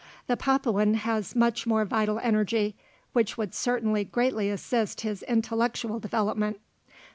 The Papuan has much more vital energy, which would certainly greatly assist his intellectual development.